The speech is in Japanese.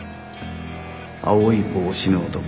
青い帽子の男